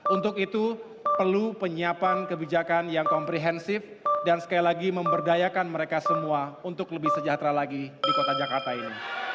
untuk itu perlu penyiapan kebijakan yang komprehensif dan sekali lagi memberdayakan mereka semua untuk lebih sejahtera lagi di kota jakarta ini